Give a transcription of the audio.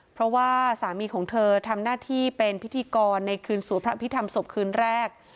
เพราะว่าสามีของเธอทำหน้าที่เป็นพิธีกรในคืนสวดพระพิธรรมศพคืนแรก